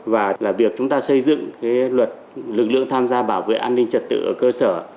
và là việc chúng ta xây dựng cái luật lực lượng tham gia bảo vệ an ninh chất tử ở cơ sở